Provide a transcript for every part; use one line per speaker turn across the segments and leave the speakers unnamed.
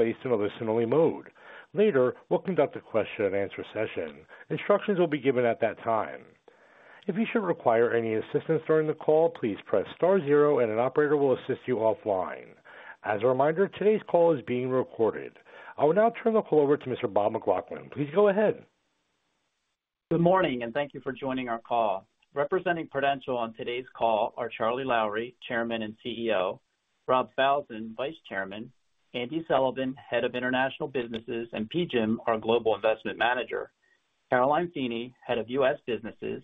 Placed in listen-only mode. Later, we'll conduct a question-and-answer session. Instructions will be given at that time. If you should require any assistance during the call, please press star zero and an operator will assist you offline. As a reminder, today's call is being recorded. I will now turn the call over to Mr. Bob McLaughlin. Please go ahead.
Good morning, and thank you for joining our call. Representing Prudential on today's call are Charlie Lowrey, Chairman and CEO, Rob Falzon, Vice Chairman, Andy Sullivan, Head of International Businesses, and PGIM, our global investment manager, Caroline Feeney, Head of U.S. Businesses,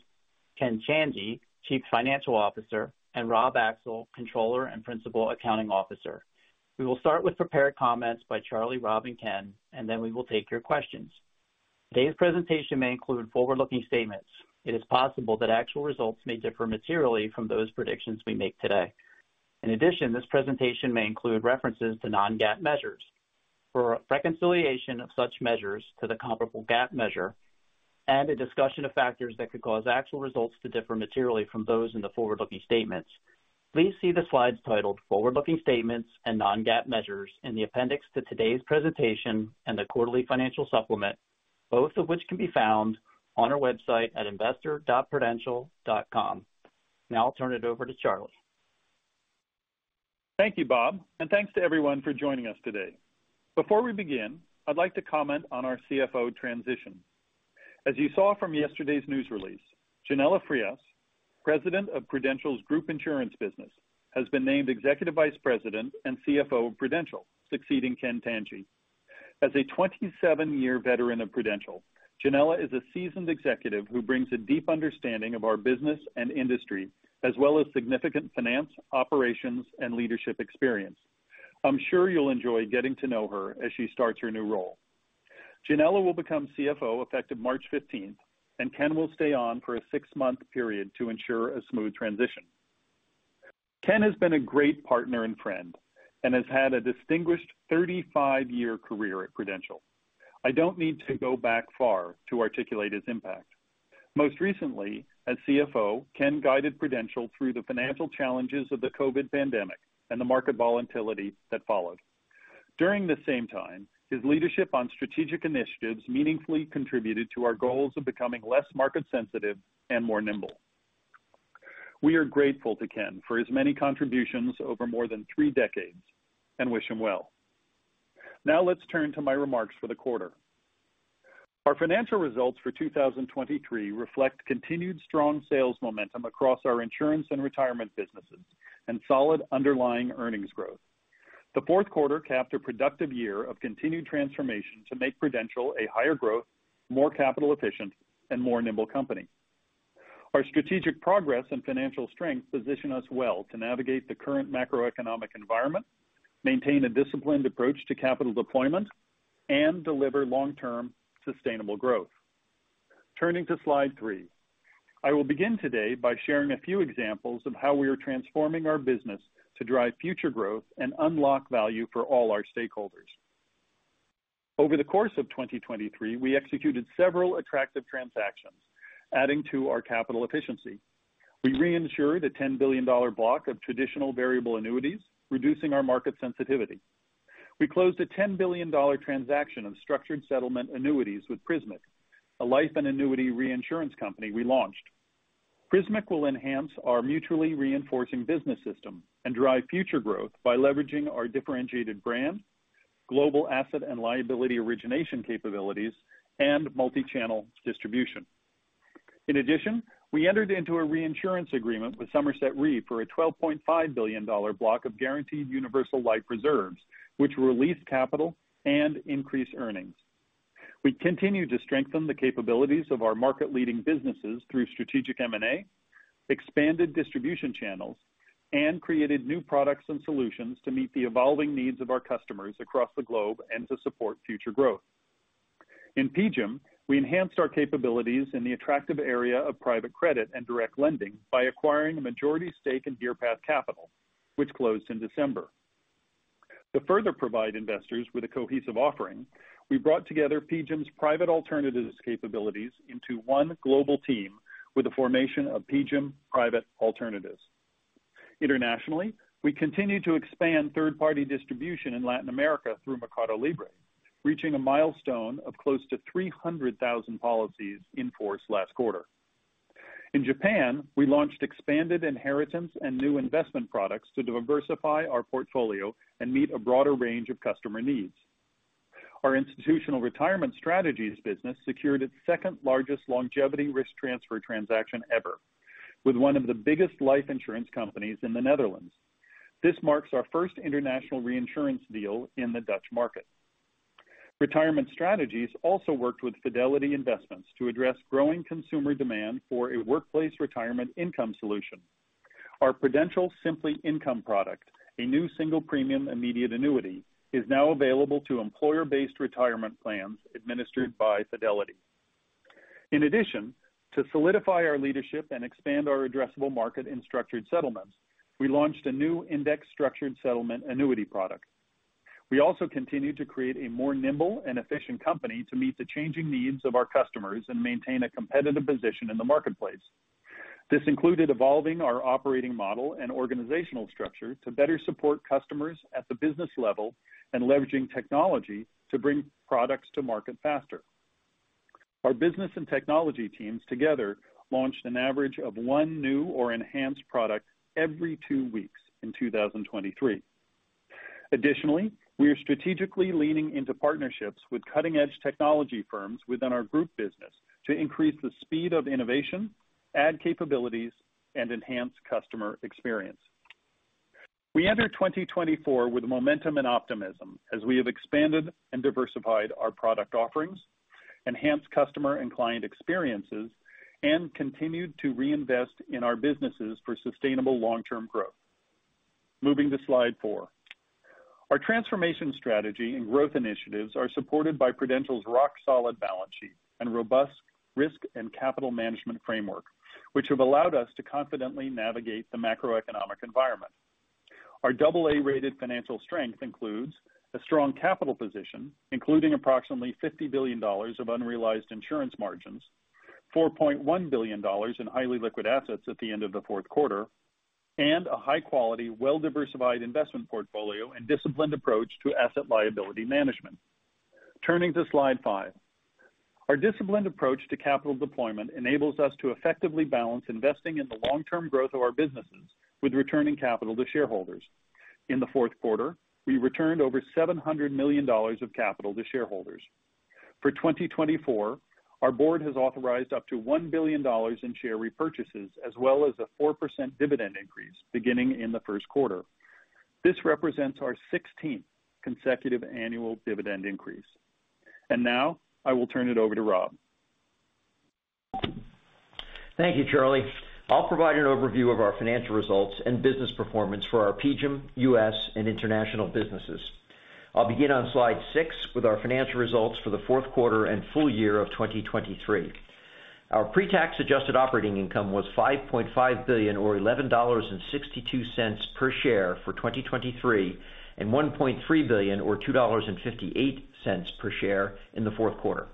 Ken Tanji, Chief Financial Officer, and Rob Axel, Controller and Principal Accounting Officer. We will start with prepared comments by Charlie, Rob, and Ken, and then we will take your questions. Today's presentation may include forward-looking statements. It is possible that actual results may differ materially from those predictions we make today. In addition, this presentation may include references to non-GAAP measures. For reconciliation of such measures to the comparable GAAP measure and a discussion of factors that could cause actual results to differ materially from those in the forward-looking statements, please see the slides titled Forward-Looking Statements and Non-GAAP Measures in the appendix to today's presentation and the quarterly financial supplement, both of which can be found on our website at investor.prudential.com. Now I'll turn it over to Charlie.
Thank you, Bob, and thanks to everyone for joining us today. Before we begin, I'd like to comment on our CFO transition. As you saw from yesterday's news release, Yanela Frias, President of Prudential's Group Insurance business, has been named Executive Vice President and CFO of Prudential, succeeding Ken Tanji. As a 27-year veteran of Prudential, Yanela is a seasoned executive who brings a deep understanding of our business and industry, as well as significant finance, operations, and leadership experience. I'm sure you'll enjoy getting to know her as she starts her new role. Yanela will become CFO effective March fifteenth, and Ken will stay on for a six-month period to ensure a smooth transition. Ken has been a great partner and friend and has had a distinguished 35-year career at Prudential. I don't need to go back far to articulate his impact. Most recently, as CFO, Ken guided Prudential through the financial challenges of the COVID pandemic and the market volatility that followed. During the same time, his leadership on strategic initiatives meaningfully contributed to our goals of becoming less market-sensitive and more nimble. We are grateful to Ken for his many contributions over more than three decades and wish him well. Now, let's turn to my remarks for the quarter. Our financial results for 2023 reflect continued strong sales momentum across our insurance and retirement businesses and solid underlying earnings growth. The fourth quarter capped a productive year of continued transformation to make Prudential a higher growth, more capital efficient, and more nimble company. Our strategic progress and financial strength position us well to navigate the current macroeconomic environment, maintain a disciplined approach to capital deployment, and deliver long-term sustainable growth. Turning to Slide 3. I will begin today by sharing a few examples of how we are transforming our business to drive future growth and unlock value for all our stakeholders. Over the course of 2023, we executed several attractive transactions, adding to our capital efficiency. We reinsured a $10 billion block of traditional variable annuities, reducing our market sensitivity. We closed a $10 billion transaction of structured settlement annuities with Prismic, a life and annuity reinsurance company we launched. Prismic will enhance our mutually reinforcing business system and drive future growth by leveraging our differentiated brand, global asset and liability origination capabilities, and multi-channel distribution. In addition, we entered into a reinsurance agreement with Somerset Re for a $12.5 billion block of guaranteed universal life reserves, which will release capital and increase earnings. We continue to strengthen the capabilities of our market-leading businesses through strategic M&A, expanded distribution channels, and created new products and solutions to meet the evolving needs of our customers across the globe and to support future growth. In PGIM, we enhanced our capabilities in the attractive area of private credit and direct lending by acquiring a majority stake in Deerpath Capital, which closed in December. To further provide investors with a cohesive offering, we brought together PGIM's private alternatives capabilities into one global team with the formation of PGIM Private Alternatives. Internationally, we continued to expand third-party distribution in Latin America through MercadoLibre, reaching a milestone of close to 300,000 policies in force last quarter. In Japan, we launched expanded inheritance and new investment products to diversify our portfolio and meet a broader range of customer needs. Institutional Retirement Strategies business secured its second-largest longevity risk transfer transaction ever, with one of the biggest life insurance companies in the Netherlands. This marks our first international reinsurance deal in the Dutch market. Retirement Strategies also worked with Fidelity Investments to address growing consumer demand for a workplace retirement income solution. Our Prudential SimplyIncome product, a new single-premium immediate annuity, is now available to employer-based retirement plans administered by Fidelity. In addition, to solidify our leadership and expand our addressable market in structured settlements, we launched a new index structured settlement annuity product. We also continued to create a more nimble and efficient company to meet the changing needs of our customers and maintain a competitive position in the marketplace.... This included evolving our operating model and organizational structure to better support customers at the business level, and leveraging technology to bring products to market faster. Our business and technology teams together launched an average of one new or enhanced product every two weeks in 2023. Additionally, we are strategically leaning into partnerships with cutting-edge technology firms within our group business to increase the speed of innovation, add capabilities, and enhance customer experience. We enter 2024 with momentum and optimism as we have expanded and diversified our product offerings, enhanced customer and client experiences, and continued to reinvest in our businesses for sustainable long-term growth. Moving to Slide 4. Our transformation strategy and growth initiatives are supported by Prudential's rock-solid balance sheet and robust risk and capital management framework, which have allowed us to confidently navigate the macroeconomic environment. Our AA-rated financial strength includes a strong capital position, including approximately $50 billion of unrealized insurance margins, $4.1 billion in highly liquid assets at the end of the fourth quarter, and a high-quality, well-diversified investment portfolio and disciplined approach to asset liability management. Turning to Slide 5. Our disciplined approach to capital deployment enables us to effectively balance investing in the long-term growth of our businesses with returning capital to shareholders. In the fourth quarter, we returned over $700 million of capital to shareholders. For 2024, our board has authorized up to $1 billion in share repurchases, as well as a 4% dividend increase beginning in the first quarter. This represents our sixteenth consecutive annual dividend increase. And now I will turn it over to Rob.
Thank you, Charlie. I'll provide an overview of our financial results and business performance for our PGIM, U.S., and international businesses. I'll begin on Slide 6 with our financial results for the fourth quarter and full year of 2023. Our pre-tax adjusted operating income was $5.5 billion, or $11.62 per share for 2023, and $1.3 billion, or $2.58 per share in the fourth quarter.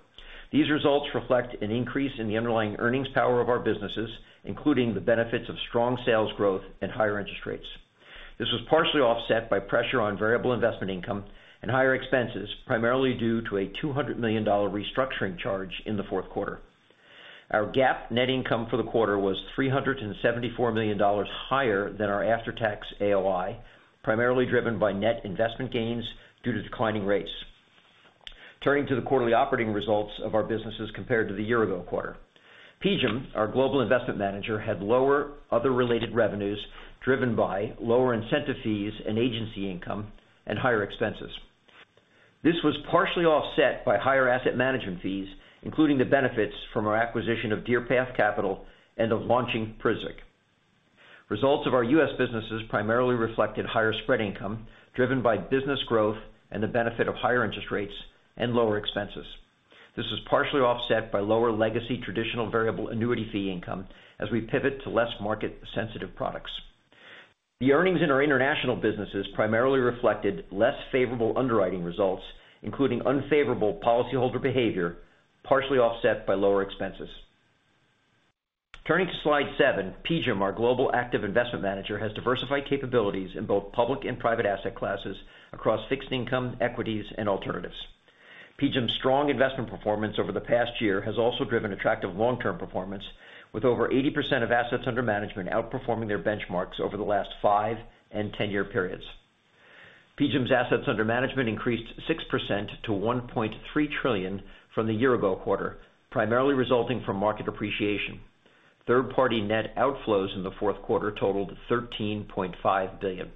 These results reflect an increase in the underlying earnings power of our businesses, including the benefits of strong sales growth and higher interest rates. This was partially offset by pressure on variable investment income and higher expenses, primarily due to a $200 million restructuring charge in the fourth quarter. Our GAAP net income for the quarter was $374 million higher than our after-tax AOI, primarily driven by net investment gains due to declining rates. Turning to the quarterly operating results of our businesses compared to the year-ago quarter. PGIM, our global investment manager, had lower other related revenues, driven by lower incentive fees and agency income and higher expenses. This was partially offset by higher asset management fees, including the benefits from our acquisition of Deerpath Capital and of launching Prismic. Results of our U.S. businesses primarily reflected higher spread income, driven by business growth and the benefit of higher interest rates and lower expenses. This was partially offset by lower legacy traditional variable annuity fee income as we pivot to less market-sensitive products. The earnings in our international businesses primarily reflected less favorable underwriting results, including unfavorable policyholder behavior, partially offset by lower expenses. Turning to Slide 7, PGIM, our global active investment manager, has diversified capabilities in both public and private asset classes across fixed income, equities, and alternatives. PGIM's strong investment performance over the past year has also driven attractive long-term performance, with over 80% of assets under management outperforming their benchmarks over the last five- and 10-year periods. PGIM's assets under management increased 6% to $1.3 trillion from the year-ago quarter, primarily resulting from market appreciation. Third-party net outflows in the fourth quarter totaled $13.5 billion.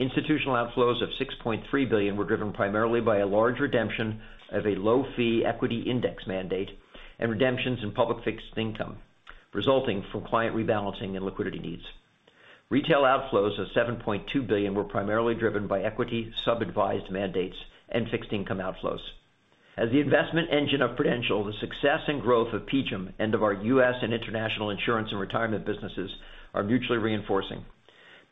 Institutional outflows of $6.3 billion were driven primarily by a large redemption of a low-fee equity index mandate and redemptions in public fixed income, resulting from client rebalancing and liquidity needs. Retail outflows of $7.2 billion were primarily driven by equity, sub-advised mandates, and fixed income outflows. As the investment engine of Prudential, the success and growth of PGIM and of our U.S. and international insurance and retirement businesses are mutually reinforcing.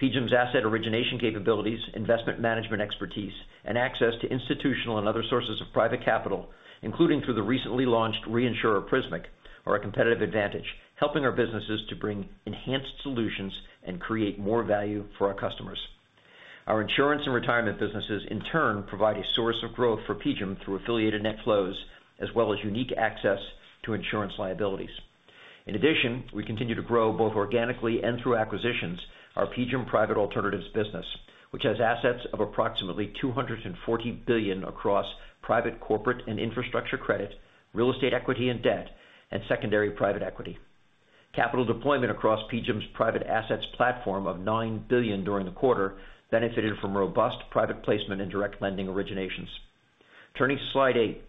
PGIM's asset origination capabilities, investment management expertise, and access to institutional and other sources of private capital, including through the recently launched reinsurer, Prismic, are a competitive advantage, helping our businesses to bring enhanced solutions and create more value for our customers. Our insurance and retirement businesses, in turn, provide a source of growth for PGIM through affiliated net flows, as well as unique access to insurance liabilities. In addition, we continue to grow, both organically and through acquisitions, our PGIM Private Alternatives business, which has assets of approximately $240 billion across private, corporate, and infrastructure credit, real estate equity and debt, and secondary private equity. Capital deployment across PGIM's private assets platform of $9 billion during the quarter benefited from robust private placement and direct lending originations. Turning to Slide 8.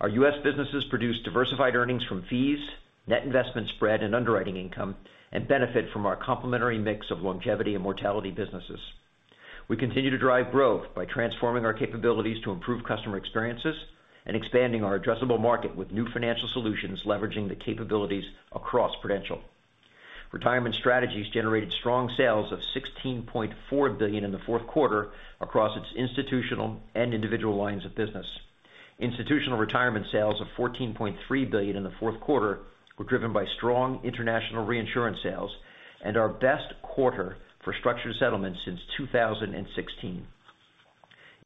Our U.S. businesses produced diversified earnings from fees, net investment spread, and underwriting income, and benefit from our complementary mix of longevity and mortality businesses. We continue to drive growth by transforming our capabilities to improve customer experiences and expanding our addressable market with new financial solutions, leveraging the capabilities across Prudential. Retirement Strategies generated strong sales of $16.4 billion in the fourth quarter across its institutional and individual lines of business. Institutional Retirement sales of $14.3 billion in the fourth quarter were driven by strong international reinsurance sales and our best quarter for structured settlements since 2016.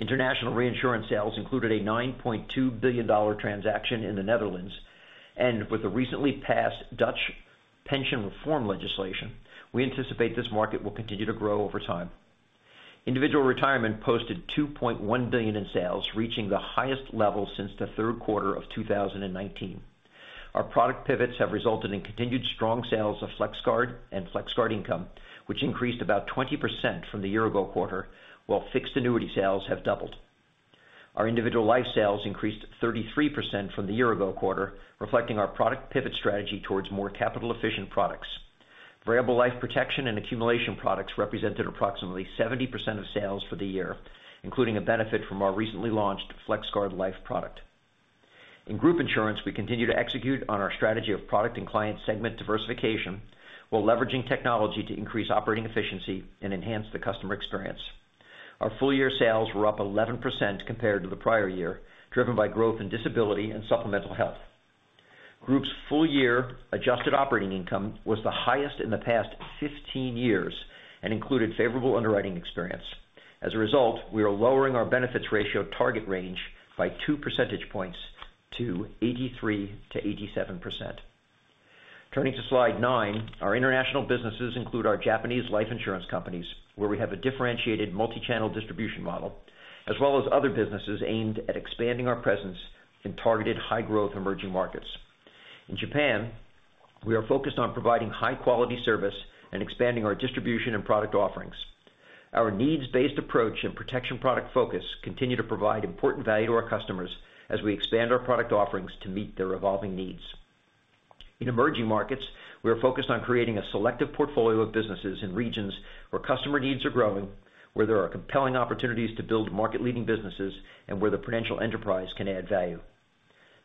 International reinsurance sales included a $9.2 billion transaction in the Netherlands, and with the recently passed Dutch pension reform legislation, we anticipate this market will continue to grow over time. Individual Retirement posted $2.1 billion in sales, reaching the highest level since the third quarter of 2019. Our product pivots have resulted in continued strong sales of FlexGuard and FlexGuard Income, which increased about 20% from the year-ago quarter, while fixed annuity sales have doubled. Our individual life sales increased 33% from the year-ago quarter, reflecting our product pivot strategy towards more capital-efficient products. Variable life protection and accumulation products represented approximately 70% of sales for the year, including a benefit from our recently launched FlexGuard Life product. In Group Insurance, we continue to execute on our strategy of product and client segment diversification, while leveraging technology to increase operating efficiency and enhance the customer experience. Our full-year sales were up 11% compared to the prior year, driven by growth in disability and supplemental health. Group's full-year adjusted operating income was the highest in the past 15 years and included favorable underwriting experience. As a result, we are lowering our benefits ratio target range by 2 percentage points to 83%-87%. Turning to Slide 9. Our international businesses include our Japanese life insurance companies, where we have a differentiated multi-channel distribution model, as well as other businesses aimed at expanding our presence in targeted high-growth emerging markets. In Japan, we are focused on providing high-quality service and expanding our distribution and product offerings. Our needs-based approach and protection product focus continue to provide important value to our customers as we expand our product offerings to meet their evolving needs. In emerging markets, we are focused on creating a selective portfolio of businesses in regions where customer needs are growing, where there are compelling opportunities to build market-leading businesses, and where the Prudential enterprise can add value.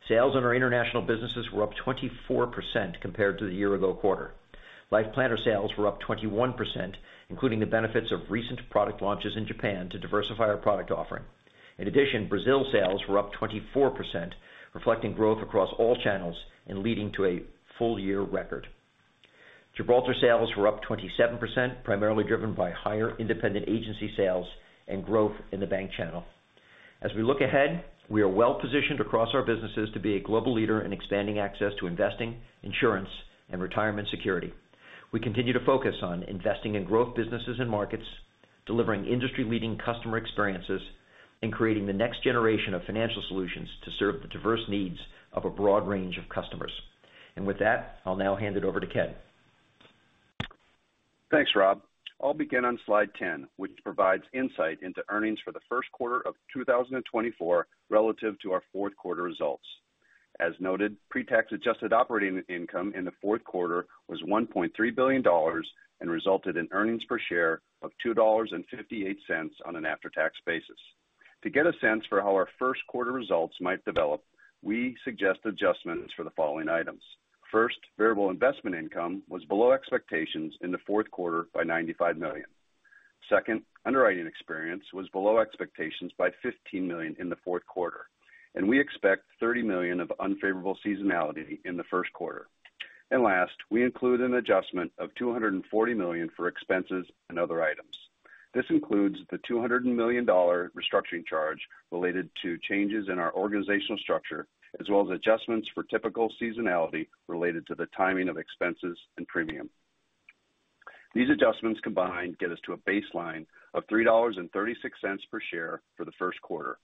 Sales on our international businesses were up 24% compared to the year-ago quarter. Life Planner sales were up 21%, including the benefits of recent product launches in Japan to diversify our product offering. In addition, Brazil sales were up 24%, reflecting growth across all channels and leading to a full-year record. Gibraltar sales were up 27%, primarily driven by higher independent agency sales and growth in the bank channel. As we look ahead, we are well-positioned across our businesses to be a global leader in expanding access to investing, insurance, and retirement security. We continue to focus on investing in growth businesses and markets, delivering industry-leading customer experiences, and creating the next generation of financial solutions to serve the diverse needs of a broad range of customers. With that, I'll now hand it over to Ken.
Thanks, Rob. I'll begin on Slide 10, which provides insight into earnings for the first quarter of 2024 relative to our fourth quarter results. As noted, pre-tax adjusted operating income in the fourth quarter was $1.3 billion and resulted in earnings per share of $2.58 on an after-tax basis. To get a sense for how our first quarter results might develop, we suggest adjustments for the following items. First, variable investment income was below expectations in the fourth quarter by $95 million. Second, underwriting experience was below expectations by $15 million in the fourth quarter, and we expect $30 million of unfavorable seasonality in the first quarter. And last, we include an adjustment of $240 million for expenses and other items. This includes the $200 million restructuring charge related to changes in our organizational structure, as well as adjustments for typical seasonality related to the timing of expenses and premium. These adjustments combined get us to a baseline of $3.36 per share for the first quarter.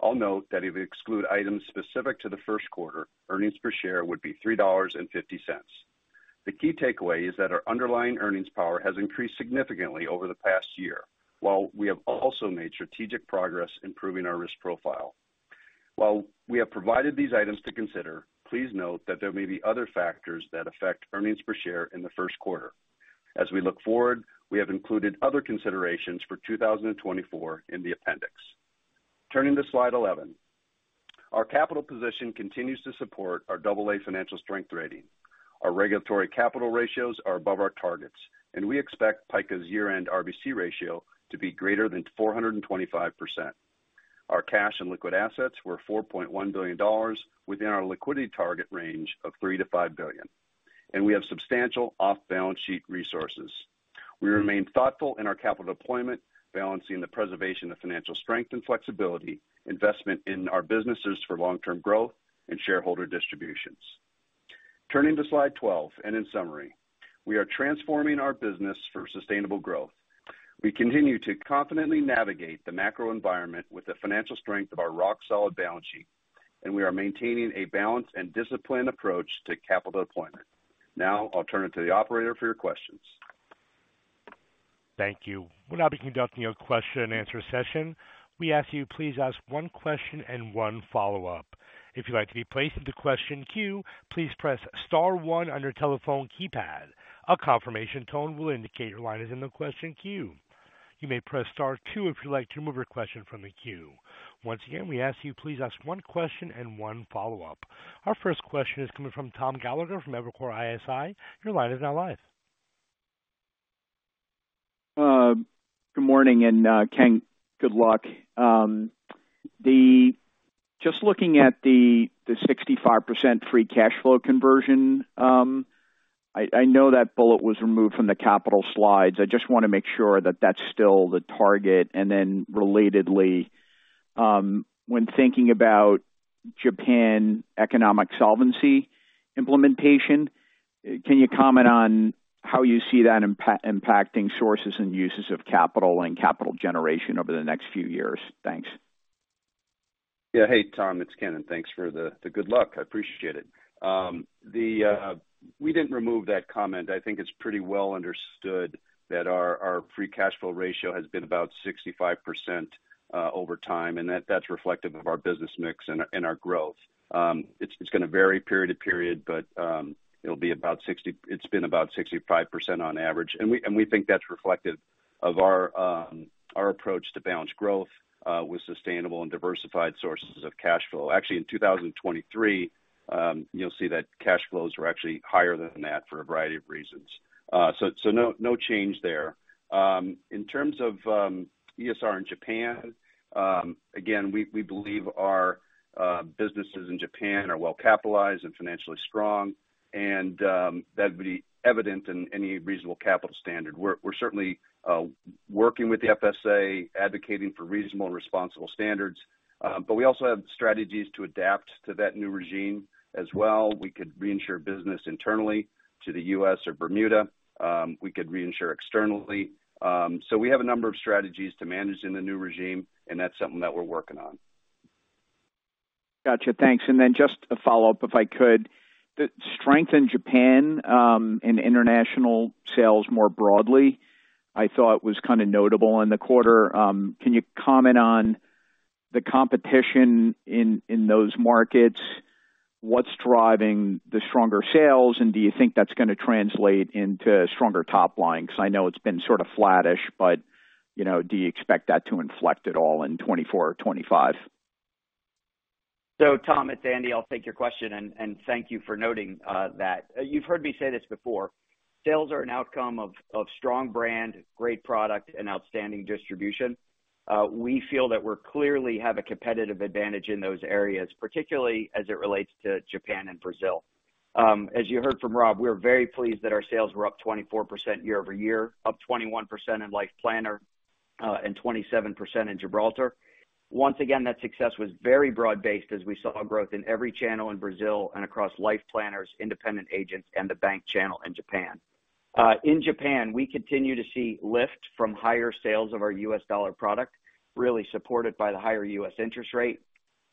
I'll note that if you exclude items specific to the first quarter, earnings per share would be $3.50. The key takeaway is that our underlying earnings power has increased significantly over the past year, while we have also made strategic progress improving our risk profile. While we have provided these items to consider, please note that there may be other factors that affect earnings per share in the first quarter. As we look forward, we have included other considerations for 2024 in the appendix. Turning to Slide 11. Our capital position continues to support our AA financial strength rating. Our regulatory capital ratios are above our targets, and we expect PICA's year-end RBC ratio to be greater than 425%. Our cash and liquid assets were $4.1 billion, within our liquidity target range of $3 billion-$5 billion, and we have substantial off-balance sheet resources. We remain thoughtful in our capital deployment, balancing the preservation of financial strength and flexibility, investment in our businesses for long-term growth, and shareholder distributions. Turning to Slide 12, and in summary, we are transforming our business for sustainable growth. We continue to confidently navigate the macro environment with the financial strength of our rock-solid balance sheet, and we are maintaining a balanced and disciplined approach to capital deployment. Now I'll turn it to the operator for your questions.
Thank you. We'll now be conducting a question-and-answer session. We ask you please ask one question and one follow-up. If you'd like to be placed in the question queue, please press star one on your telephone keypad. A confirmation tone will indicate your line is in the question queue. You may press star two if you'd like to remove your question from the queue. Once again, we ask you please ask one question and one follow-up. Our first question is coming from Tom Gallagher from Evercore ISI. Your line is now live.
Good morning, and Ken, good luck. Just looking at the 65% free cash flow conversion, I know that bullet was removed from the capital slides. I just want to make sure that that's still the target. And then relatedly, when thinking about Japan Economic Solvency implementation, can you comment on how you see that impacting sources and uses of capital and capital generation over the next few years? Thanks.
Yeah. Hey, Tom, it's Ken, and thanks for the good luck. I appreciate it. We didn't remove that comment. I think it's pretty well understood that our free cash flow ratio has been about 65% over time, and that's reflective of our business mix and our growth. It's going to vary period to period, but it'll be about 65% on average, and we think that's reflective of our approach to balanced growth with sustainable and diversified sources of cash flow. Actually, in 2023, you'll see that cash flows were actually higher than that for a variety of reasons. So no change there. In terms of ESR in Japan, again, we believe our businesses in Japan are well capitalized and financially strong, and that'd be evident in any reasonable capital standard. We're certainly working with the FSA, advocating for reasonable and responsible standards, but we also have strategies to adapt to that new regime as well. We could reinsure business internally to the U.S. or Bermuda, we could reinsure externally. So we have a number of strategies to manage in the new regime, and that's something that we're working on.
Gotcha. Thanks. And then just a follow-up, if I could. The strength in Japan and international sales more broadly, I thought was kind of notable in the quarter. Can you comment on the competition in those markets? What's driving the stronger sales, and do you think that's going to translate into stronger top line? Because I know it's been sort of flattish, but, you know, do you expect that to inflect at all in 2024 or 2025?
So Tom, it's Andy. I'll take your question, and thank you for noting that. You've heard me say this before, sales are an outcome of strong brand, great product, and outstanding distribution. We feel that we're clearly have a competitive advantage in those areas, particularly as it relates to Japan and Brazil. As you heard from Rob, we're very pleased that our sales were up 24% year-over-year, up 21% in Life Planner, and 27% in Gibraltar. Once again, that success was very broad-based as we saw growth in every channel in Brazil and Life Planners, independent agents, and the bank channel in Japan. In Japan, we continue to see lift from higher sales of our U.S. dollar product, really supported by the higher U.S. interest rate,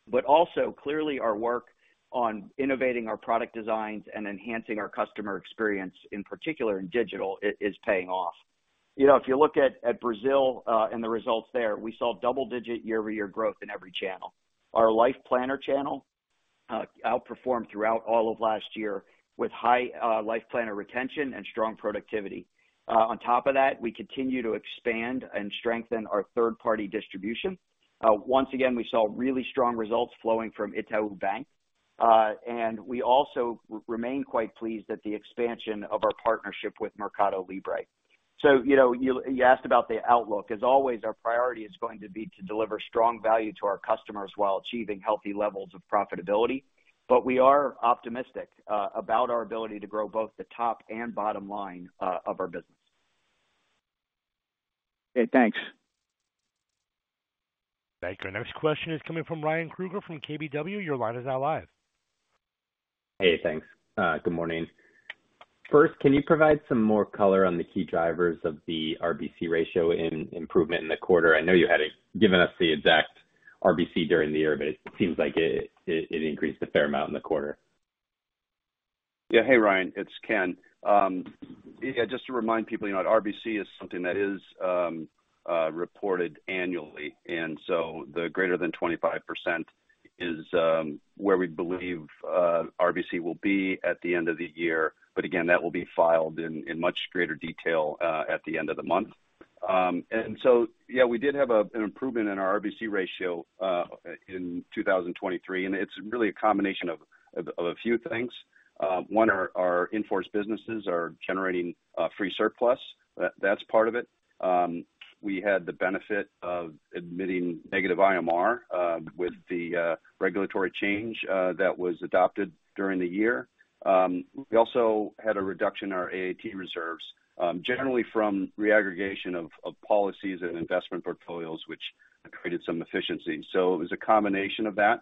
but also clearly our work on innovating our product designs and enhancing our customer experience, in particular in digital, is paying off. You know, if you look at Brazil, and the results there, we saw double-digit year-over-year growth in every channel. Our Life Planner channel outperformed throughout all of last year with high Life Planner retention and strong productivity. On top of that, we continue to expand and strengthen our third-party distribution. Once again, we saw really strong results flowing from Itaú Bank, and we also remain quite pleased at the expansion of our partnership with MercadoLibre. So, you know, you asked about the outlook. As always, our priority is going to be to deliver strong value to our customers while achieving healthy levels of profitability, but we are optimistic about our ability to grow both the top and bottom line of our business.
Okay, thanks.
Thank you. Our next question is coming from Ryan Krueger from KBW. Your line is now live.
Hey, thanks. Good morning. First, can you provide some more color on the key drivers of the RBC ratio in improvement in the quarter? I know you hadn't given us the exact RBC during the year, but it seems like it increased a fair amount in the quarter.
Yeah. Hey, Ryan, it's Ken. Yeah, just to remind people, you know, RBC is something that is reported annually, and so the greater than 25% is where we believe RBC will be at the end of the year. But again, that will be filed in much greater detail at the end of the month. And so, yeah, we did have an improvement in our RBC ratio in 2023, and it's really a combination of a few things. One, our in-force businesses are generating free surplus. That's part of it. We had the benefit of admitting negative IMR with the regulatory change that was adopted during the year. We also had a reduction in our AAT reserves, generally from reaggregation of policies and investment portfolios, which created some efficiency. So it was a combination of that.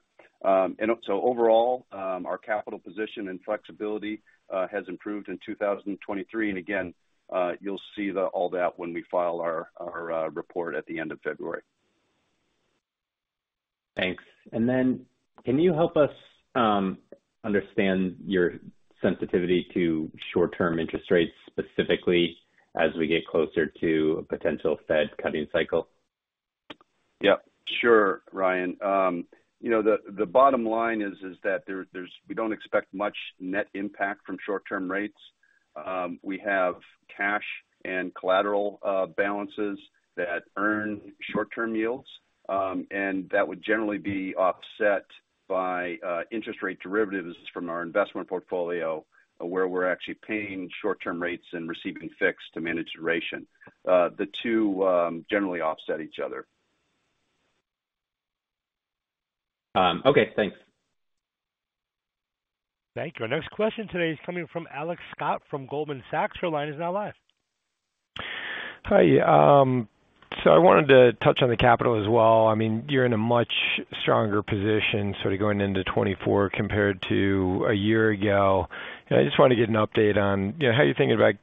Overall, our capital position and flexibility has improved in 2023, and again, you'll see all that when we file our report at the end of February.
Thanks. And then can you help us understand your sensitivity to short-term interest rates, specifically as we get closer to a potential Fed cutting cycle?
Yeah, sure, Ryan. You know, the bottom line is that we don't expect much net impact from short-term rates. We have cash and collateral balances that earn short-term yields, and that would generally be offset by interest rate derivatives from our investment portfolio, where we're actually paying short-term rates and receiving fixed to manage duration. The two generally offset each other.
Okay, thanks. Thank you. Our next question today is coming from Alex Scott from Goldman Sachs. Your line is now live.
Hi, so I wanted to touch on the capital as well. I mean, you're in a much stronger position sort of going into 2024 compared to a year ago. I just wanted to get an update on, you know, how you're thinking about,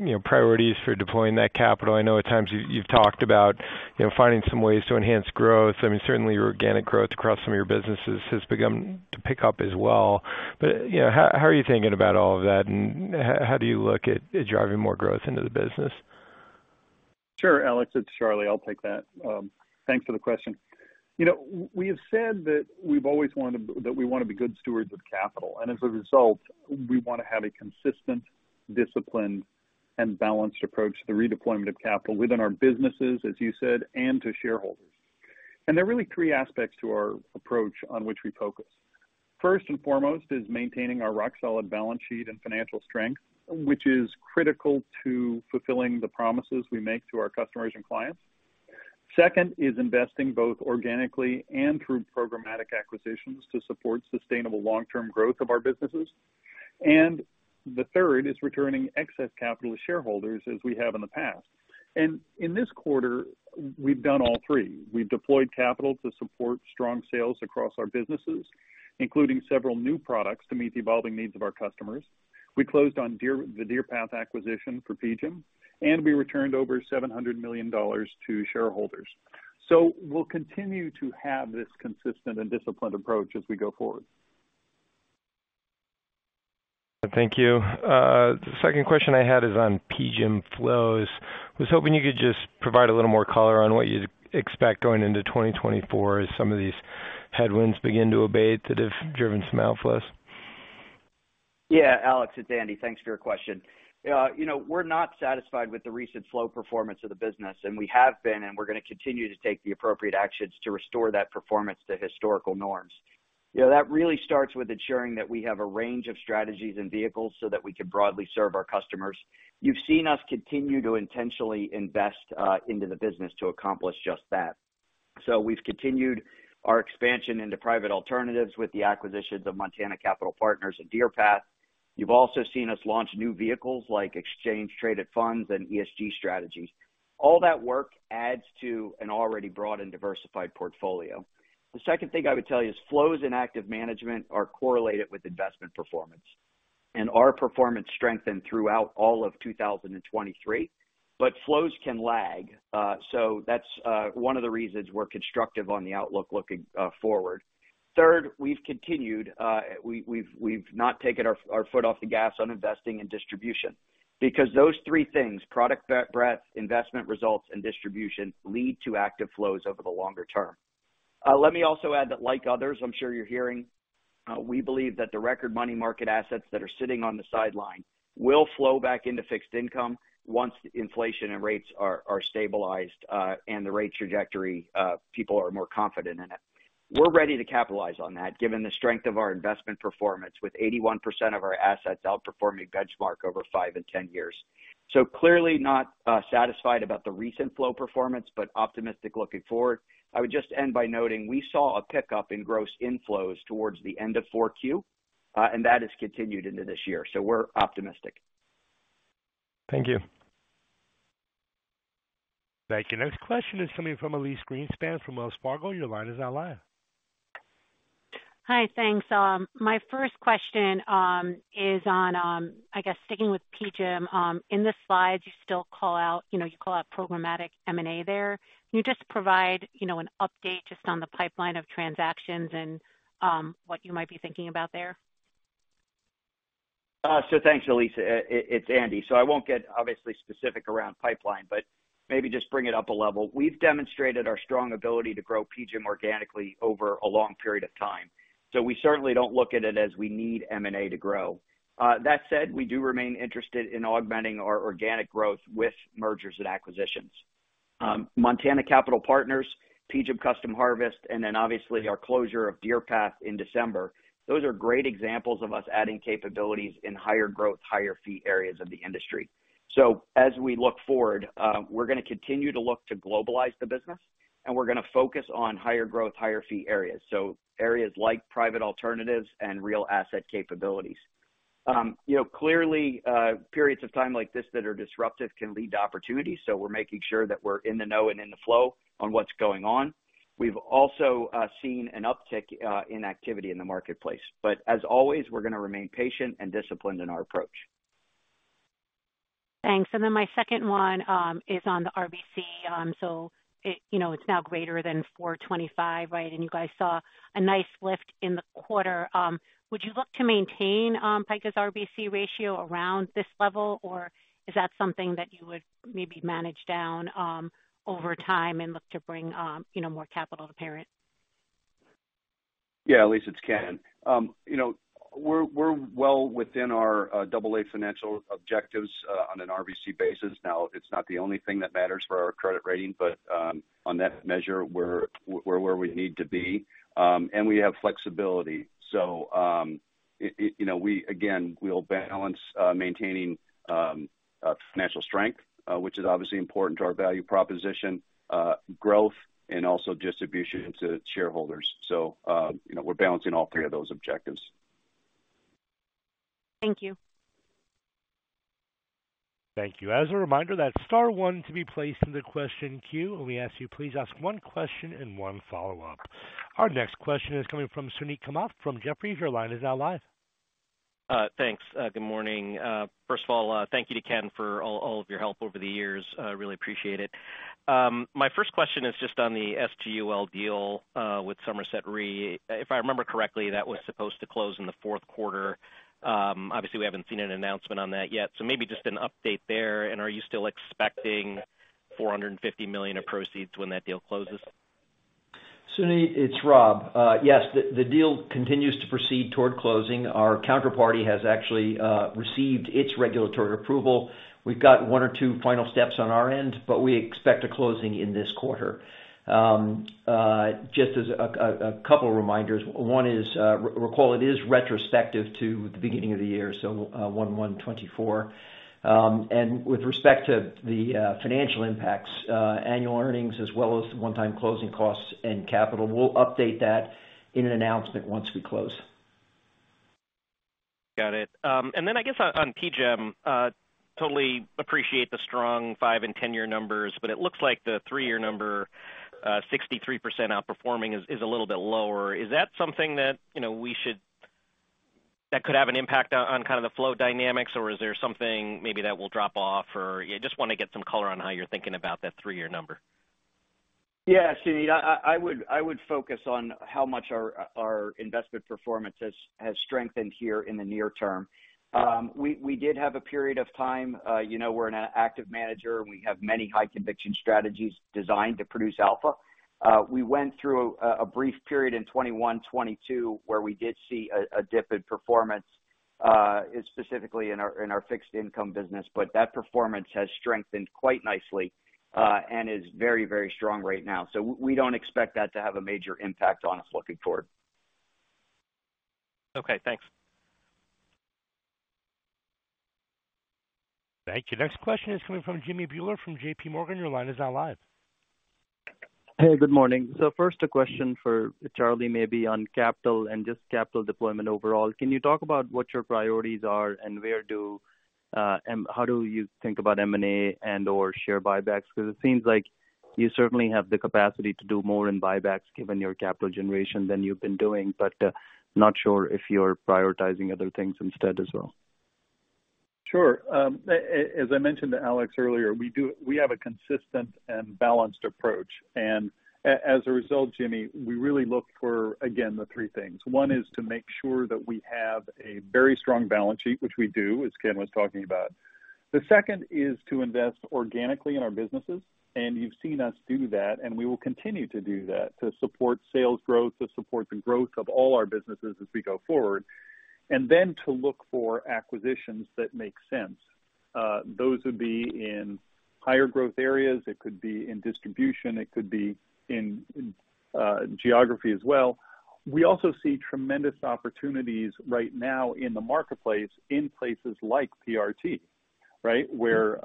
you know, priorities for deploying that capital. I know at times you, you've talked about, you know, finding some ways to enhance growth. I mean, certainly your organic growth across some of your businesses has begun to pick up as well. But, you know, how are you thinking about all of that, and how do you look at driving more growth into the business?
Sure, Alex, it's Charlie. I'll take that. Thanks for the question. You know, we have said that we want to be good stewards of capital, and as a result, we want to have a consistent, disciplined, and balanced approach to the redeployment of capital within our businesses, as you said, and to shareholders. And there are really three aspects to our approach on which we focus. First and foremost is maintaining our rock-solid balance sheet and financial strength, which is critical to fulfilling the promises we make to our customers and clients. Second is investing both organically and through programmatic acquisitions to support sustainable long-term growth of our businesses. And the third is returning excess capital to shareholders, as we have in the past. And in this quarter, we've done all three. We've deployed capital to support strong sales across our businesses, including several new products to meet the evolving needs of our customers. We closed on the Deerpath acquisition for PGIM, and we returned over $700 million to shareholders. We'll continue to have this consistent and disciplined approach as we go forward.
Thank you. The second question I had is on PGIM flows. I was hoping you could just provide a little more color on what you'd expect going into 2024 as some of these headwinds begin to abate, that have driven some outflows.
Yeah, Alex, it's Andy. Thanks for your question. You know, we're not satisfied with the recent flow performance of the business, and we have been, and we're going to continue to take the appropriate actions to restore that performance to historical norms. You know, that really starts with ensuring that we have a range of strategies and vehicles so that we can broadly serve our customers. You've seen us continue to intentionally invest into the business to accomplish just that. So we've continued our expansion into private alternatives with the acquisitions of Montana Capital Partners and Deerpath Capital. You've also seen us launch new vehicles like exchange traded funds and ESG strategies. All that work adds to an already broad and diversified portfolio. The second thing I would tell you is flows in active management are correlated with investment performance, and our performance strengthened throughout all of 2023. But flows can lag, so that's one of the reasons we're constructive on the outlook looking forward. Third, we've continued, we've not taken our foot off the gas on investing in distribution because those three things, product breadth, investment results, and distribution, lead to active flows over the longer term. Let me also add that, like others, I'm sure you're hearing, we believe that the record money market assets that are sitting on the sidelines will flow back into fixed income once inflation and rates are stabilized, and the rate trajectory people are more confident in it. We're ready to capitalize on that, given the strength of our investment performance, with 81% of our assets outperforming benchmark over five and 10 years. So clearly not satisfied about the recent flow performance, but optimistic looking forward. I would just end by noting we saw a pickup in gross inflows towards the end of Q4, and that has continued into this year, so we're optimistic.
Thank you.
Thank you. Next question is coming from Elyse Greenspan from Wells Fargo. Your line is now live.
Hi, thanks. My first question is on, I guess sticking with PGIM. In the slides, you still call out, you know, you call out programmatic M&A there. Can you just provide, you know, an update just on the pipeline of transactions and what you might be thinking about there?
Thanks, Elyse. It's Andy, so I won't get obviously specific around pipeline, but maybe just bring it up a level. We've demonstrated our strong ability to grow PGIM organically over a long period of time, so we certainly don't look at it as we need M&A to grow. That said, we do remain interested in augmenting our organic growth with mergers and acquisitions. Montana Capital Partners, PGIM Custom Harvest, and then obviously our closure of Deerpath in December, those are great examples of us adding capabilities in higher growth, higher fee areas of the industry. So as we look forward, we're going to continue to look to globalize the business, and we're going to focus on higher growth, higher fee areas, so areas like private alternatives and real asset capabilities. You know, clearly, periods of time like this that are disruptive can lead to opportunities, so we're making sure that we're in the know and in the flow on what's going on. We've also seen an uptick in activity in the marketplace. But as always, we're going to remain patient and disciplined in our approach.
Thanks. And then my second one is on the RBC. So it, you know, it's now greater than 425, right? And you guys saw a nice lift in the quarter. Would you look to maintain PICA's RBC ratio around this level, or is that something that you would maybe manage down over time and look to bring you know, more capital to parent?
Yeah, Elise, it's Ken. You know, we're well within our AA financial objectives on an RBC basis. Now, it's not the only thing that matters for our credit rating, but on that measure, we're where we need to be. And we have flexibility. So, you know, we again, we'll balance maintaining financial strength, which is obviously important to our value proposition, growth and also distribution to shareholders. So, you know, we're balancing all three of those objectives.
Thank you.
Thank you. As a reminder, that's star one to be placed in the question queue, and we ask you, please ask one question and one follow-up. Our next question is coming from Suneet Kamath from Jefferies. Your line is now live.
Thanks. Good morning. First of all, thank you to Ken for all of your help over the years. I really appreciate it. My first question is just on the SGUL deal with Somerset Re. If I remember correctly, that was supposed to close in the fourth quarter. Obviously, we haven't seen an announcement on that yet, so maybe just an update there. And are you still expecting $450 million of proceeds when that deal closes?
Suneet, it's Rob. Yes, the deal continues to proceed toward closing. Our counterparty has actually received its regulatory approval. We've got one or two final steps on our end, but we expect a closing in this quarter. Just as a couple reminders. One is, recall, it is retrospective to the beginning of the year, so, 1/1/2024. And with respect to the financial impacts, annual earnings, as well as one-time closing costs and capital, we'll update that in an announcement once we close.
Got it. And then I guess on PGIM, totally appreciate the strong five- and ten-year numbers, but it looks like the three-year number, 63% outperforming is a little bit lower. Is that something that, you know, we should... That could have an impact on kind of the flow dynamics, or is there something maybe that will drop off? Or yeah, just want to get some color on how you're thinking about that three-year number.
Yeah, Suneet, I would focus on how much our investment performance has strengthened here in the near term. We did have a period of time, you know, we're an active manager, and we have many high conviction strategies designed to produce alpha. We went through a brief period in 2021, 2022, where we did see a dip in performance, specifically in our fixed income business. But that performance has strengthened quite nicely, and is very, very strong right now. So we don't expect that to have a major impact on us looking forward.
Okay, thanks.
Thank you. Next question is coming from Jimmy Bhullar, from JPMorgan. Your line is now live.
Hey, good morning. So first, a question for Charlie, maybe on capital and just capital deployment overall. Can you talk about what your priorities are and where do, and how do you think about M&A and/or share buybacks? Because it seems like you certainly have the capacity to do more in buybacks, given your capital generation, than you've been doing, but not sure if you're prioritizing other things instead as well.
Sure. As I mentioned to Alex earlier, we have a consistent and balanced approach. And as a result, Jimmy, we really look for, again, the three things. One is to make sure that we have a very strong balance sheet, which we do, as Ken was talking about. The second is to invest organically in our businesses, and you've seen us do that, and we will continue to do that to support sales growth, to support the growth of all our businesses as we go forward. And then to look for acquisitions that make sense. Those would be in higher growth areas. It could be in distribution, it could be in geography as well. We also see tremendous opportunities right now in the marketplace, in places like PRT, right? Where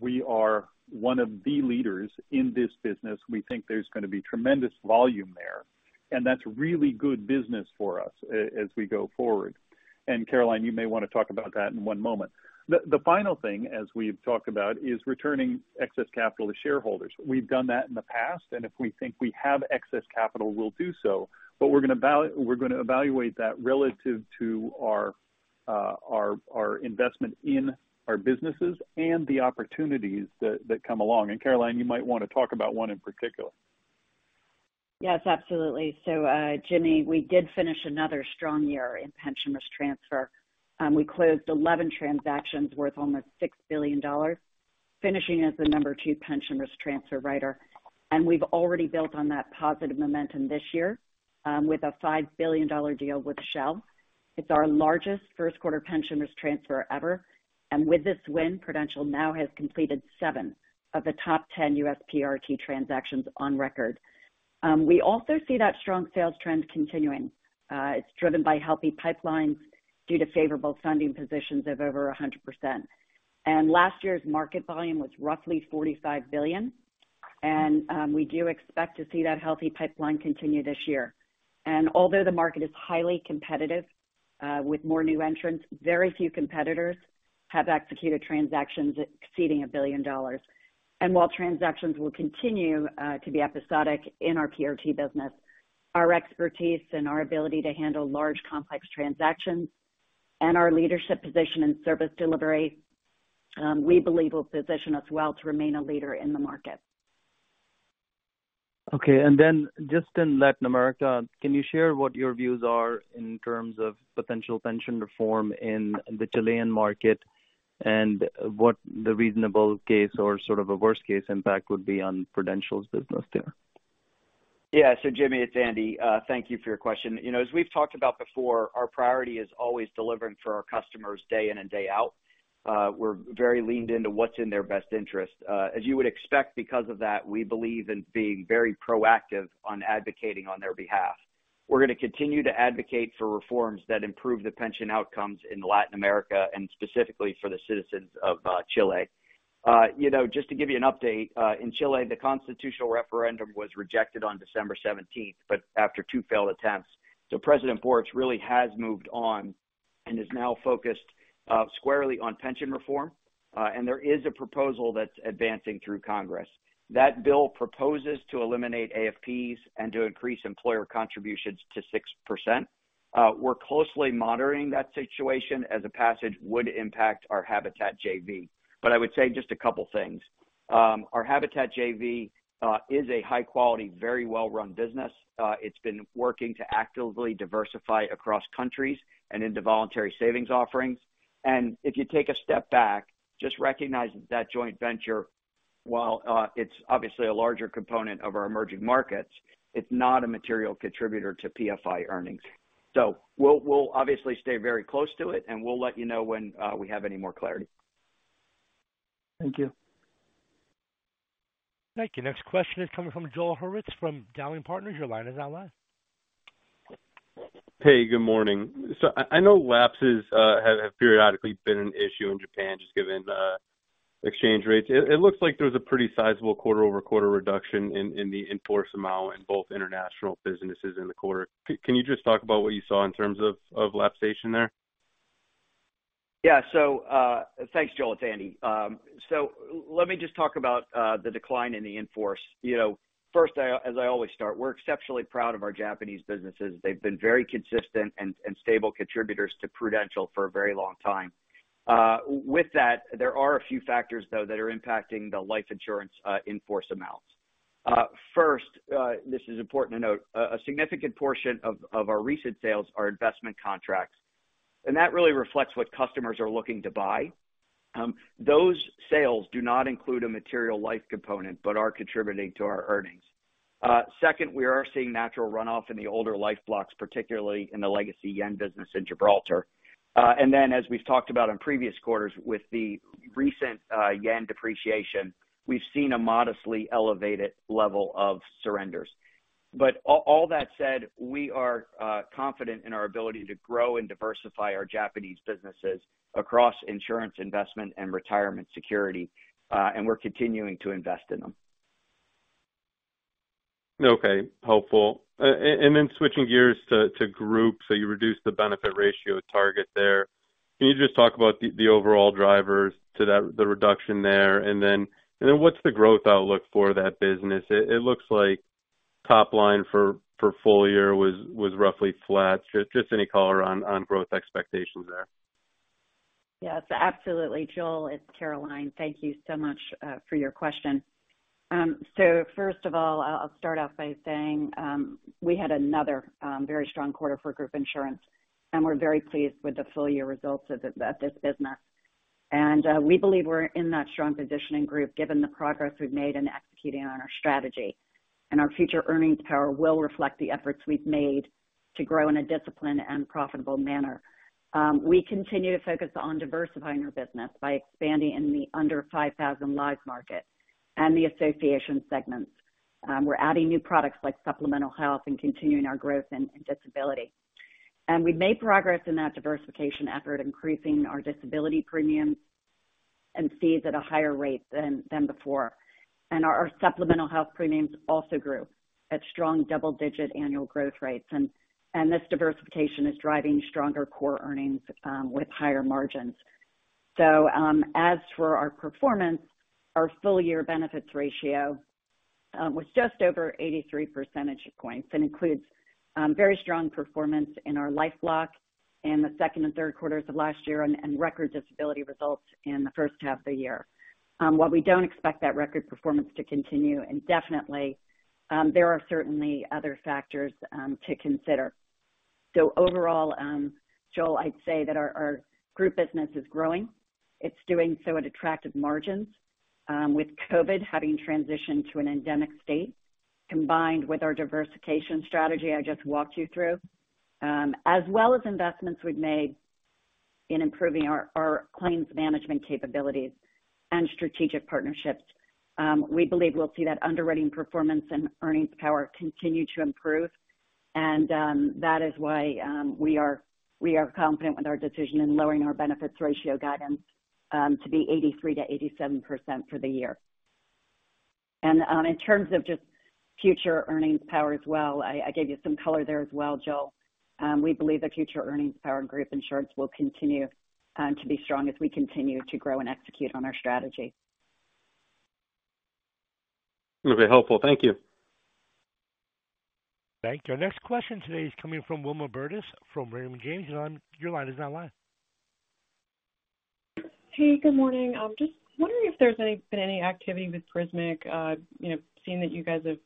we are one of the leaders in this business. We think there's going to be tremendous volume there, and that's really good business for us as we go forward. And, Caroline, you may want to talk about that in one moment. The final thing, as we've talked about, is returning excess capital to shareholders. We've done that in the past, and if we think we have excess capital, we'll do so. But we're going to evaluate that relative to our investment in our businesses and the opportunities that come along. And, Caroline, you might want to talk about one in particular.
Yes, absolutely. So, Jimmy, we did finish another strong year in pension risk transfer. We closed 11 transactions worth almost $6 billion, finishing as the number two pension risk transfer writer. And we've already built on that positive momentum this year, with a $5 billion deal with Shell. It's our largest first quarter pension risk transfer ever, and with this win, Prudential now has completed seven of the top 10 U.S. PRT transactions on record. We also see that strong sales trend continuing. It's driven by healthy pipelines due to favorable funding positions of over 100%. And last year's market volume was roughly $45 billion, and we do expect to see that healthy pipeline continue this year. And although the market is highly competitive, with more new entrants, very few competitors have executed transactions exceeding $1 billion. While transactions will continue to be episodic in our PRT business, our expertise and our ability to handle large, complex transactions and our leadership position in service delivery, we believe, will position us well to remain a leader in the market.
Okay, and then just in Latin America, can you share what your views are in terms of potential pension reform in the Chilean market, and what the reasonable case or sort of a worst-case impact would be on Prudential's business there?
Yeah. So, Jimmy, it's Andy. Thank you for your question. You know, as we've talked about before, our priority is always delivering for our customers day in and day out. We're very leaned into what's in their best interest. As you would expect, because of that, we believe in being very proactive on advocating on their behalf. We're going to continue to advocate for reforms that improve the pension outcomes in Latin America and specifically for the citizens of Chile. You know, just to give you an update, in Chile, the constitutional referendum was rejected on December 17th, but after two failed attempts. So President Boric really has moved on and is now focused squarely on pension reform. And there is a proposal that's advancing through Congress. That bill proposes to eliminate AFPs and to increase employer contributions to 6%. We're closely monitoring that situation as a passage would impact our Habitat JV. But I would say just a couple things. Our Habitat JV is a high quality, very well-run business. It's been working to actively diversify across countries and into voluntary savings offerings. And if you take a step back, just recognize that that joint venture, while it's obviously a larger component of our emerging markets, it's not a material contributor to PFI earnings. So we'll obviously stay very close to it, and we'll let you know when we have any more clarity.
Thank you.
Thank you. Next question is coming from Joel Hurwitz from Dowling & Partners. Your line is now live.
Hey, good morning. So I know lapses have periodically been an issue in Japan, just given the exchange rates. It looks like there was a pretty sizable quarter-over-quarter reduction in the in-force amount in both international businesses in the quarter. Can you just talk about what you saw in terms of lapse there?
Yeah. So, thanks, Joel, it's Andy. So let me just talk about the decline in the in-force. You know, first, I, as I always start, we're exceptionally proud of our Japanese businesses. They've been very consistent and stable contributors to Prudential for a very long time. With that, there are a few factors, though, that are impacting the life insurance in-force amounts. First, this is important to note, a significant portion of our recent sales are investment contracts, and that really reflects what customers are looking to buy. Those sales do not include a material life component, but are contributing to our earnings. Second, we are seeing natural runoff in the older life blocks, particularly in the legacy yen business in Gibraltar. As we've talked about in previous quarters, with the recent yen depreciation, we've seen a modestly elevated level of surrenders. But all that said, we are confident in our ability to grow and diversify our Japanese businesses across insurance, investment, and retirement security, and we're continuing to invest in them.
Okay, helpful. And then switching gears to Group, so you reduced the benefit ratio target there. Can you just talk about the overall drivers to that, the reduction there? And then what's the growth outlook for that business? It looks like top line for full year was roughly flat. Just any color on growth expectations there.
Yes, absolutely, Joel, it's Caroline. Thank you so much for your question. So first of all, I'll start off by saying, we had another very strong quarter for group insurance, and we're very pleased with the full year results of this business. We believe we're in that strong positioning group, given the progress we've made in executing on our strategy. Our future earnings power will reflect the efforts we've made to grow in a disciplined and profitable manner. We continue to focus on diversifying our business by expanding in the under 5,000 lives market and the association segments. We're adding new products like supplemental health and continuing our growth in disability. We've made progress in that diversification effort, increasing our disability premiums and fees at a higher rate than before. Our supplemental health premiums also grew at strong double-digit annual growth rates, and this diversification is driving stronger core earnings with higher margins. As for our performance, our full year benefits ratio was just over 83 percentage points. That includes very strong performance in our life block in the second and third quarters of last year, and record disability results in the first half of the year. While we don't expect that record performance to continue, and definitely there are certainly other factors to consider. Overall, Joel, I'd say that our group business is growing. It's doing so at attractive margins. With COVID having transitioned to an endemic state, combined with our diversification strategy I just walked you through, as well as investments we've made in improving our, our claims management capabilities and strategic partnerships, we believe we'll see that underwriting performance and earnings power continue to improve. And, that is why, we are, we are confident with our decision in lowering our benefits ratio guidance to be 83%-87% for the year. And, in terms of just future earnings power as well, I, I gave you some color there as well, Joel. We believe the future earnings power in group insurance will continue to be strong as we continue to grow and execute on our strategy.
Very helpful. Thank you.
Thank you. Our next question today is coming from Wilma Burdis from Raymond James, and your line is now live.
Hey, good morning. I'm just wondering if there's been any activity with Prismic, you know, seeing that you guys have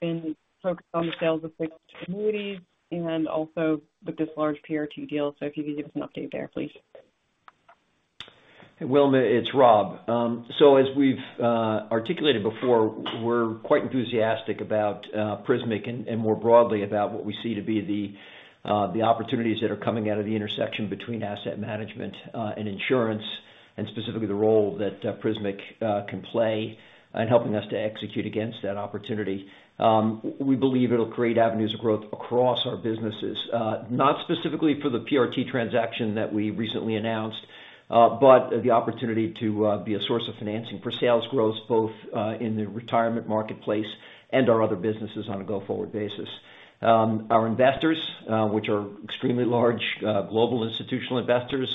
been focused on the sales of fixed annuities and also with this large PRT deal. So if you could give us an update there, please.
Wilma, it's Rob. So as we've articulated before, we're quite enthusiastic about Prismic and more broadly about what we see to be the opportunities that are coming out of the intersection between asset management and insurance, and specifically the role that Prismic can play in helping us to execute against that opportunity. We believe it'll create avenues of growth across our businesses. Not specifically for the PRT transaction that we recently announced, but the opportunity to be a source of financing for sales growth, both in the retirement marketplace and our other businesses on a go-forward basis. Our investors, which are extremely large global institutional investors,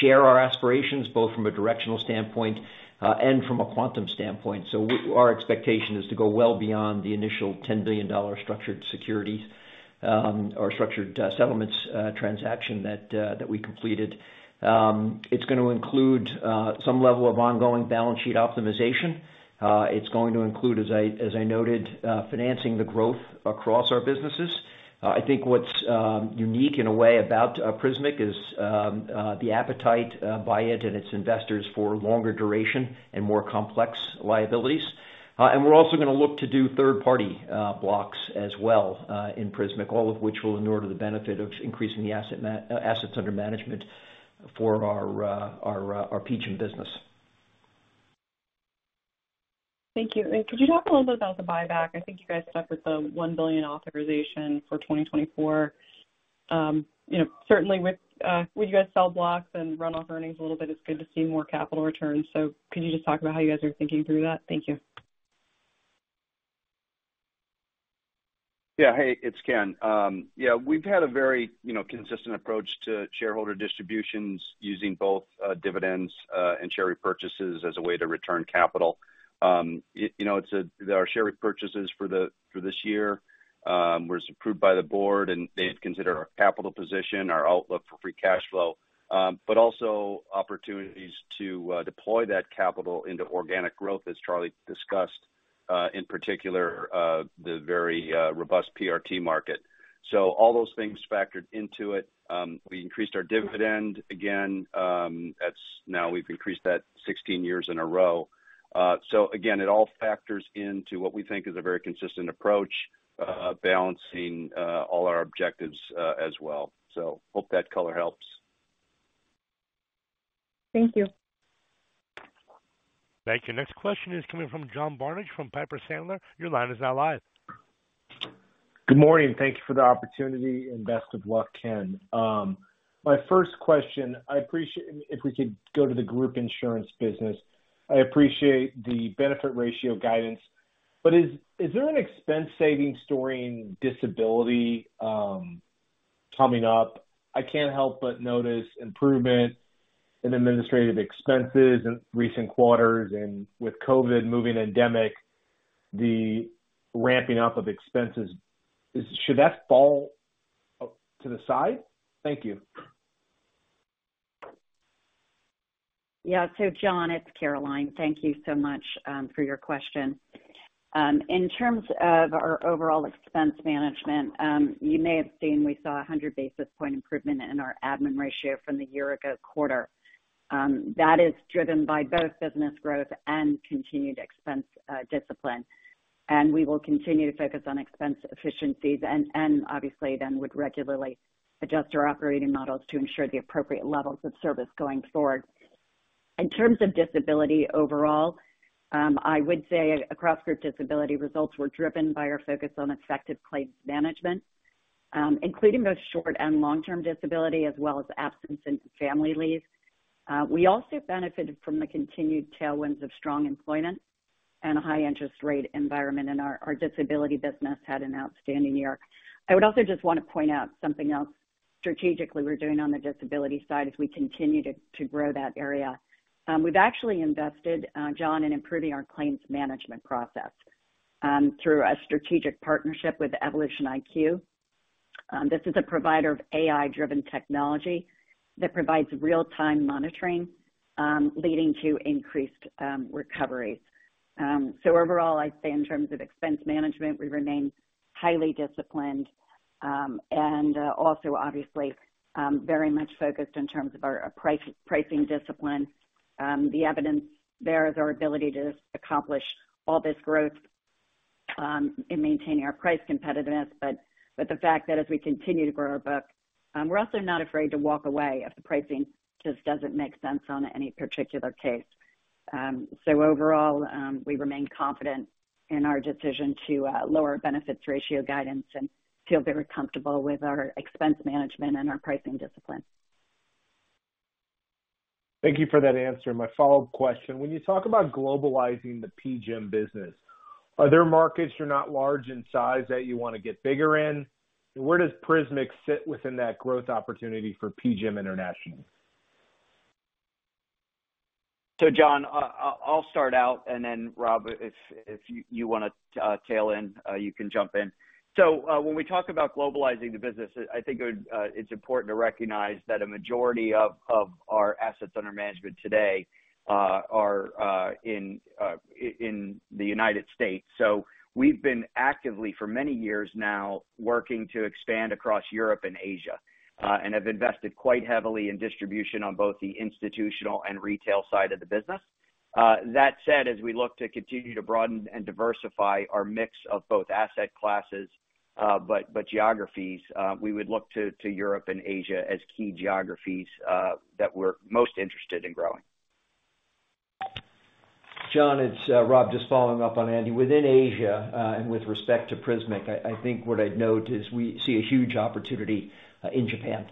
share our aspirations, both from a directional standpoint and from a quantum standpoint. So our expectation is to go well beyond the initial $10 billion structured securities or structured settlements transaction that we completed. It's going to include some level of ongoing balance sheet optimization. It's going to include, as I noted, financing the growth across our businesses. I think what's unique in a way about Prismic is the appetite by it and its investors for longer duration and more complex liabilities. And we're also going to look to do third-party blocks as well in Prismic, all of which will inure to the benefit of increasing the assets under management for our PGIM business.
Thank you. Could you talk a little bit about the buyback? I think you guys stuck with the $1 billion authorization for 2024. You know, certainly with you guys sell blocks and run off earnings a little bit, it's good to see more capital returns. So could you just talk about how you guys are thinking through that? Thank you.
Yeah. Hey, it's Ken. Yeah, we've had a very, you know, consistent approach to shareholder distributions using both, dividends, and share repurchases as a way to return capital. You know, our share repurchases for the, for this year, was approved by the board, and they had consider our capital position, our outlook for free cash flow, but also opportunities to, deploy that capital into organic growth, as Charlie discussed, in particular, the very, robust PRT market. So all those things factored into it. We increased our dividend again, that's now we've increased that 16 years in a row. So again, it all factors into what we think is a very consistent approach, balancing, all our objectives, as well. So hope that color helps.
Thank you.
Thank you. Next question is coming from John Barnidge from Piper Sandler. Your line is now live.
Good morning. Thank you for the opportunity and best of luck, Ken. My first question, I appreciate—if we could go to the group insurance business. I appreciate the benefit ratio guidance, but is there an expense saving story in disability coming up? I can't help but notice improvement in administrative expenses in recent quarters, and with COVID moving endemic, the ramping up of expenses, should that fall up to the side? Thank you.
Yeah. So John, it's Caroline. Thank you so much for your question. In terms of our overall expense management, you may have seen we saw 100 basis points improvement in our admin ratio from the year-ago quarter. That is driven by both business growth and continued expense discipline. We will continue to focus on expense efficiencies and obviously then would regularly adjust our operating models to ensure the appropriate levels of service going forward. In terms of disability overall, I would say across group disability, results were driven by our focus on effective claims management, including both short- and long-term disability, as well as absence and family leave. We also benefited from the continued tailwinds of strong employment and a high interest rate environment, and our disability business had an outstanding year. I would also just want to point out something else strategically we're doing on the disability side as we continue to grow that area. We've actually invested, John, in improving our claims management process, through a strategic partnership with EvolutionIQ. This is a provider of AI-driven technology that provides real-time monitoring, leading to increased recoveries. So overall, I'd say in terms of expense management, we remain highly disciplined, and also obviously, very much focused in terms of our pricing discipline. The evidence there is our ability to accomplish all this growth, in maintaining our price competitiveness, but the fact that as we continue to grow our book, we're also not afraid to walk away if the pricing just doesn't make sense on any particular case. Overall, we remain confident in our decision to lower benefits ratio guidance and feel very comfortable with our expense management and our pricing discipline.
Thank you for that answer. My follow-up question, when you talk about globalizing the PGIM business, are there markets that are not large in size that you want to get bigger in? And where does Prismic sit within that growth opportunity for PGIM International?
So John, I'll start out, and then Rob, if you want to tail in, you can jump in. When we talk about globalizing the business, I think it's important to recognize that a majority of our assets under management today are in the United States. So we've been actively, for many years now, working to expand across Europe and Asia, and have invested quite heavily in distribution on both the institutional and retail side of the business. That said, as we look to continue to broaden and diversify our mix of both asset classes, but geographies, we would look to Europe and Asia as key geographies that we're most interested in growing.
John, it's Rob, just following up on Andy. Within Asia, and with respect to Prismic, I think what I'd note is we see a huge opportunity in Japan.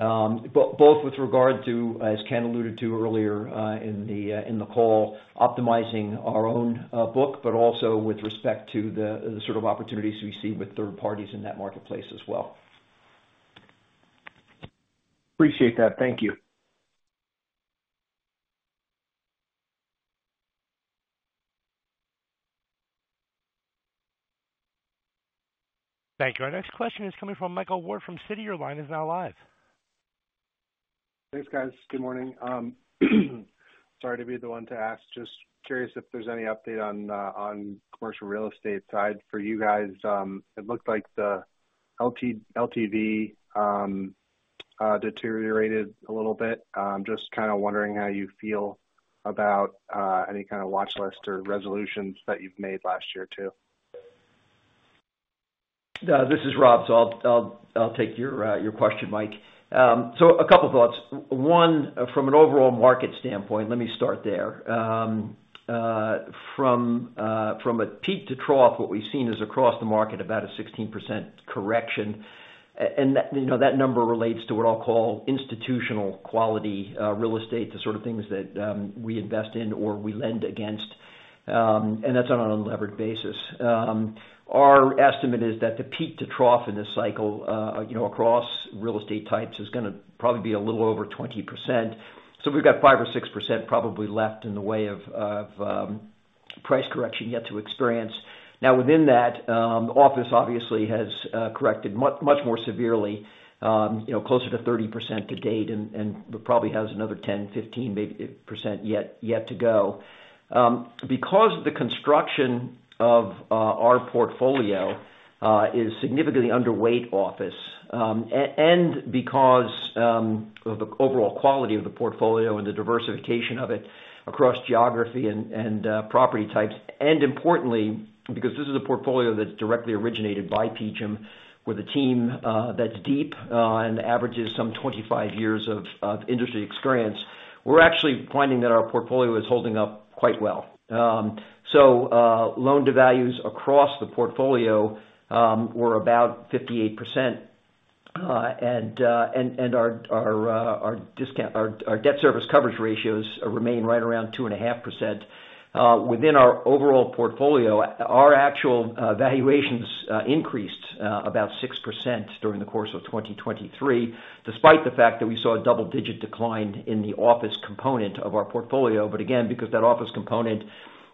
Both with regard to, as Ken alluded to earlier, in the call, optimizing our own book, but also with respect to the sort of opportunities we see with third parties in that marketplace as well.
Appreciate that. Thank you.
Thank you. Our next question is coming from Michael Ward from Citi. The line is now live.
Thanks, guys. Good morning. Sorry to be the one to ask. Just curious if there's any update on, on commercial real estate side for you guys. It looked like the LTV deteriorated a little bit. I'm just kind of wondering how you feel about any kind of watchlist or resolutions that you've made last year, too.
This is Rob, so I'll take your question, Mike. So a couple thoughts. One, from an overall market standpoint, let me start there. From a peak to trough, what we've seen is across the market, about a 16% correction. And that, you know, that number relates to what I'll call institutional quality real estate, the sort of things that we invest in or we lend against, and that's on an unlevered basis. Our estimate is that the peak to trough in this cycle, you know, across real estate types, is gonna probably be a little over 20%. So we've got 5%-6% probably left in the way of price correction yet to experience. Now, within that, office obviously has corrected much more severely, you know, closer to 30% to date, and it probably has another 10-15%, maybe, yet to go. Because the construction of our portfolio is significantly underweight office, and because of the overall quality of the portfolio and the diversification of it across geography and property types, and importantly, because this is a portfolio that's directly originated by PGIM, with a team that's deep and averages some 25 years of industry experience, we're actually finding that our portfolio is holding up quite well. So, loan-to-values across the portfolio were about 58% and our debt service coverage ratios remain right around 2.5%. Within our overall portfolio, our actual valuations increased about 6% during the course of 2023, despite the fact that we saw a double-digit decline in the office component of our portfolio. But again, because that office component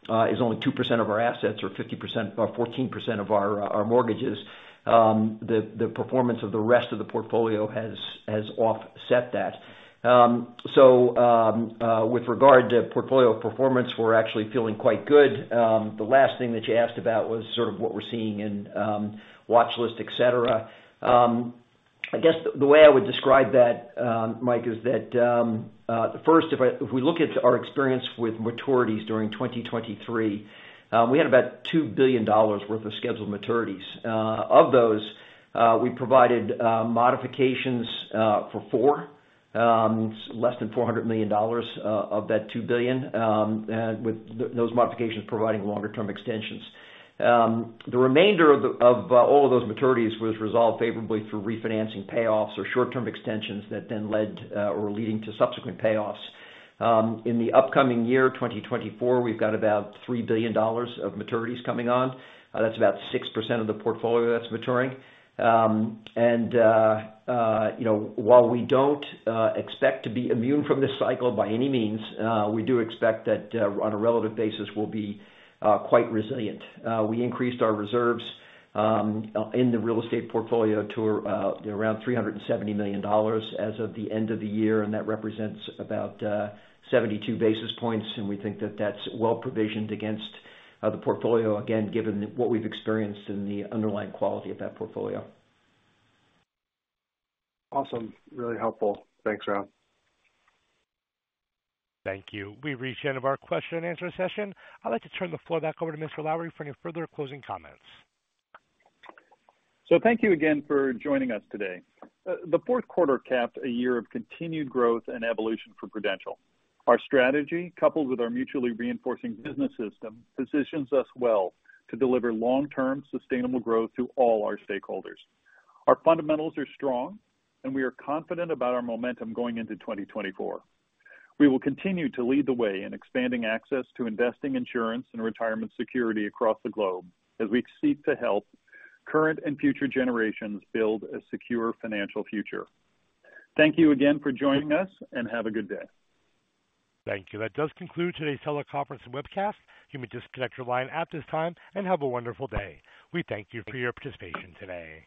is only 2% of our assets, or 50% or 14% of our mortgages, the performance of the rest of the portfolio has offset that. So, with regard to portfolio performance, we're actually feeling quite good. The last thing that you asked about was sort of what we're seeing in watchlist, etc. I guess the way I would describe that, Mike, is that first, if we look at our experience with maturities during 2023, we had about $2 billion worth of scheduled maturities. Of those, we provided modifications for less than $400 million of that $2 billion, and with those modifications providing longer term extensions. The remainder of all of those maturities was resolved favorably through refinancing payoffs or short-term extensions that then led or are leading to subsequent payoffs. In the upcoming year, 2024, we've got about $3 billion of maturities coming on. That's about 6% of the portfolio that's maturing. You know, while we don't expect to be immune from this cycle by any means, we do expect that, on a relative basis, we'll be quite resilient. We increased our reserves in the real estate portfolio to around $370 million as of the end of the year, and that represents about 72 basis points. And we think that that's well provisioned against the portfolio, again, given what we've experienced in the underlying quality of that portfolio.
Awesome. Really helpful. Thanks, Rob.
Thank you. We've reached the end of our question-and-answer session. I'd like to turn the floor back over to Mr. Lowrey for any further closing comments.
So thank you again for joining us today. The fourth quarter capped a year of continued growth and evolution for Prudential. Our strategy, coupled with our mutually reinforcing business system, positions us well to deliver long-term sustainable growth through all our stakeholders. Our fundamentals are strong, and we are confident about our momentum going into 2024. We will continue to lead the way in expanding access to investing insurance and retirement security across the globe as we seek to help current and future generations build a secure financial future. Thank you again for joining us, and have a good day.
Thank you. That does conclude today's teleconference and webcast. You may disconnect your line at this time, and have a wonderful day. We thank you for your participation today.